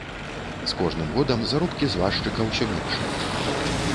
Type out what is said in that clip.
З кожным годам заробкі зваршчыка ўсё меншалі.